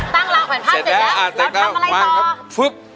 ตั้งลาแขวนผ้าเสร็จแล้วเราทำอะไรต่อ